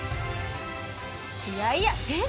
いやいやえっ？